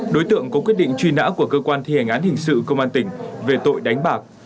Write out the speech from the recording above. đối tượng có quyết định truy nã của cơ quan thi hành án hình sự công an tỉnh về tội đánh bạc